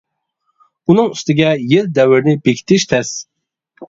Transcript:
ئۇنىڭ ئۈستىگە يىل دەۋرىنى بېكىتىش تەس.